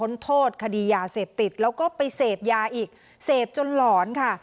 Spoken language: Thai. ยาเสพติดและเสพยาอีกแล้วก็ใช้นาฬิเซบถึงหลอน